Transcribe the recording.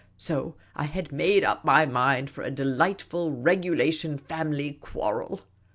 So I had made up my mind for a delightful regulation family quarrel.